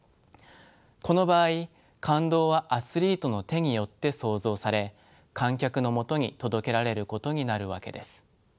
この場合感動はアスリートの手によって創造され観客のもとに届けられることになるわけです。